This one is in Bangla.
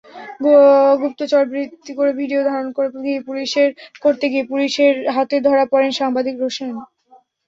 গুপ্তচরবৃত্তি করে ভিডিও ধারণ করতে গিয়ে পুলিশের হাতে ধরা পড়েন সাংবাদিক রোশান।